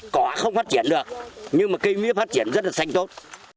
cỏ không phát triển được nhưng mà cây mía phát triển rất là xanh tốt